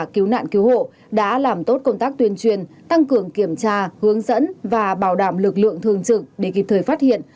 cứu nạn cứu hộ đã làm tốt công tác tuyên truyền tăng cường kiểm tra hướng dẫn và bảo đảm lực lượng thường trực để kịp thời phát hiện